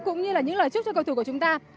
cũng như là những lời chúc cho cầu thủ của chúng ta